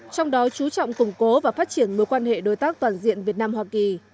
trong đó chú trọng củng cố và phát triển mối quan hệ đối tác toàn diện việt nam hoa kỳ